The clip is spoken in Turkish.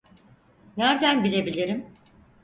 Nerden bilebilirim?